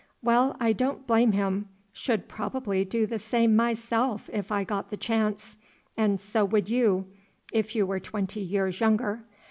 "Well, I don't blame him; should probably do the same myself if I got the chance, and so would you—if you were twenty years younger.